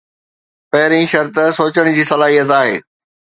پهرين شرط سوچڻ جي صلاحيت آهي.